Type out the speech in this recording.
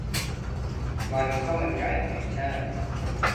วันข้าวมันไก่แห่งชาติ